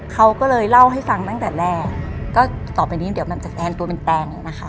เขาก็เลยเล่าให้ฟังตั้งแต่แรกก็ต่อไปนี้เดี๋ยวมันจะแตนตัวเป็นแตนเองนะคะ